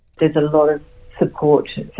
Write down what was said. ada banyak sokongan untuk ide itu